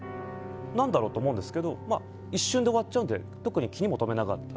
何だろうと思うんですけど一瞬で終わっちゃうので特に気にも留めなかった。